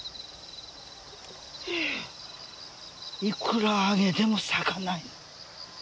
いくらあげても咲かない。